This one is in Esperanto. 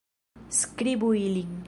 Skribu ilin.